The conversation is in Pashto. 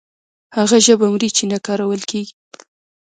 هغه ژبه مري چې نه کارول کیږي.